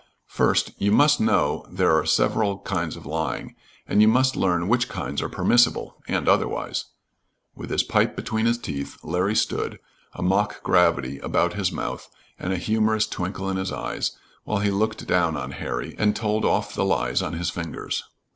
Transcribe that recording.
First, you must know there are several kinds of lying, and you must learn which kinds are permissible and otherwise." With his pipe between his teeth, Larry stood, a mock gravity about his mouth, and a humorous twinkle in his eyes, while he looked down on Harry, and told off the lies on his fingers.